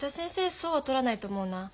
そうはとらないと思うな。